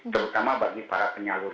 terutama bagi para penyalur